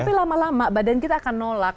tapi lama lama badan kita akan nolak